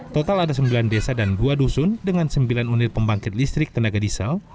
total ada sembilan desa dan dua dusun dengan sembilan unit pembangkit listrik tenaga diesel